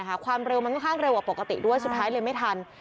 ความเร็วมันค่อนข้างเร็วกว่าปกติด้วยสุดท้ายเลยไม่ทัน